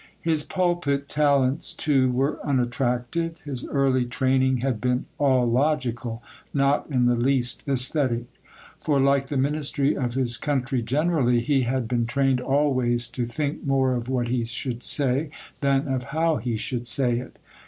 His pulpit talents, too, were unattractive. His early training had been all logical, not in the least æsthetic; for, like the ministry of his country generally, he had been trained always to think more of what he should say than of how he should say it.